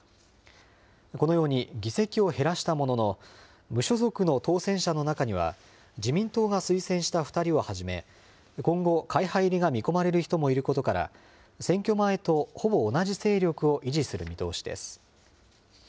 このように議席を減らしたものの、無所属の当選者の中には、自民党が推薦した２人をはじめ、今後、会派入りが見込まれる人もいることから、選挙前とほぼ同じ勢力を維持する見通しです。